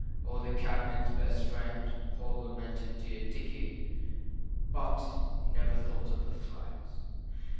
Or the Cabman's best friend, poor lamented dear Dickey, But he never thought of the Flags!